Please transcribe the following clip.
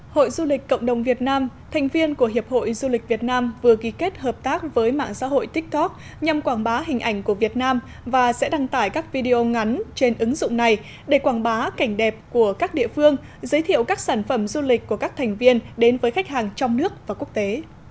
hội du lịch cộng đồng việt nam thành viên của hiệp hội du lịch việt nam vừa ghi kết hợp tác với mạng xã hội tiktok nhằm quảng bá hình ảnh của việt nam và sẽ đăng tải các video ngắn trên ứng dụng này để quảng bá cảnh đẹp của các địa phương giới thiệu các sản phẩm du lịch của các thành viên đến với khách hàng trong nước và quốc tế